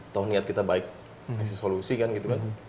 toh niat kita baik kasih solusi kan gitu kan